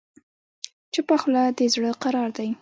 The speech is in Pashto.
چپه خوله، د زړه قرار دی.